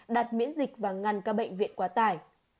đặt miễn dịch và ngăn các bệnh viện quá tải